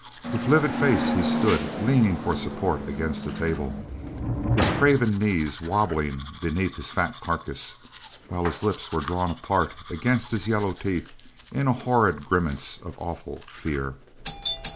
With livid face he stood, leaning for support against the table; his craven knees wabbling beneath his fat carcass; while his lips were drawn apart against his yellow teeth in a horrid grimace of awful fear.